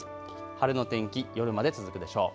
晴れの天気、夜まで続くでしょう。